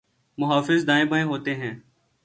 محافظ دائیں بائیں ہوتے ہیں۔